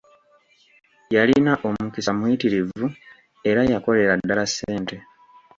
Yalina omukisa muyitirivu, era yakolera ddala ssente.